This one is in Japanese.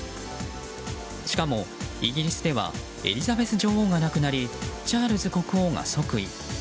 しかも、イギリスではエリザベス女王が亡くなりチャールズ国王が即位。